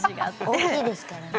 大きいですからね